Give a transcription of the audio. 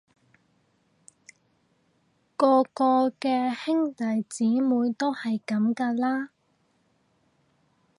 個個嘅兄弟姊妹都係噉㗎啦